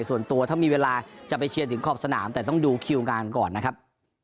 ส่วนตัวถ้ามีเวลาจะไปเชียร์ถึงขอบสนามแต่ต้องดูคิวงานก่อนนะครับ